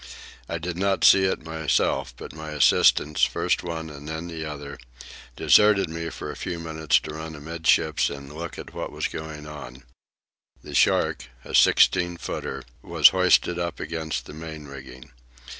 I did not see it myself, but my assistants, first one and then the other, deserted me for a few moments to run amidships and look at what was going on. The shark, a sixteen footer, was hoisted up against the main rigging.